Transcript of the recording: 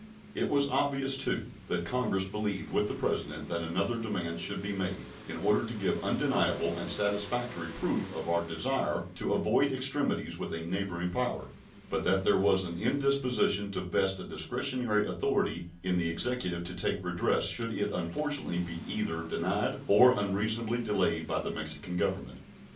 It was obvious, too, that Congress believed with the President that another demand should be made, in order to give undeniable and satisfactory proof of our desire to avoid extremities with a neighboring power, but that there was an indisposition to vest a discretionary authority in the Executive to take redress should it unfortunately be either denied or unreasonably delayed by the Mexican Government.